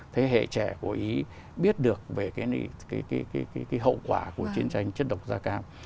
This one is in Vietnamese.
thế hệ trẻ của ý biết được về cái hậu quả của chiến tranh chất độc gia càng